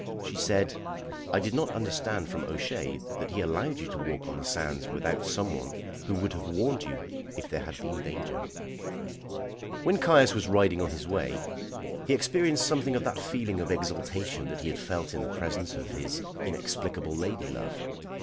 She said: "I did not understand from O'Shea that he allowed you to walk on the sands without some one who would have warned you if there had been danger." When Caius was riding on his way, he experienced something of that feeling of exaltation that he had felt in the presence of his inexplicable lady love.